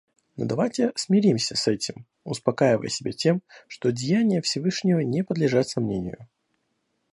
Но давайте смиримся с этим, успокаивая себя тем, что деяния Всевышнего не подлежат сомнению.